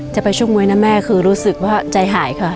จะไปชกมวยนะแม่คือรู้สึกว่าใจหายค่ะ